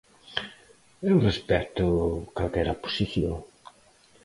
Eu respecto calquera posición.